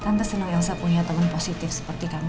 tante seneng elsa punya temen positif seperti kamu